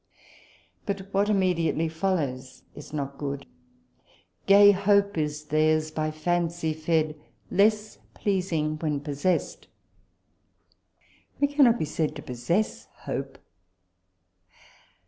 But what immediately follows is not good :" Gay Hope is theirs, by Fancy fed, Less pleasing when possess' d" ; we cannot be said to possess hope.